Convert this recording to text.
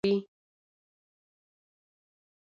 نوم د شي نیمه برخه بیانوي.